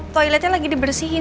toiletnya lagi dibersihin